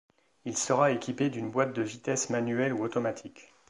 Il sera équipé d'une boite de vitesses manuelle ou automatique.